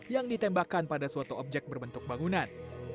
yang ditembakkan pada suatu objek berbentuk bangunan